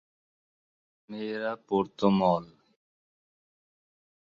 মেয়েরা পরত মল।